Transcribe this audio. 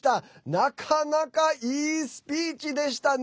なかなか、いいスピーチでしたね。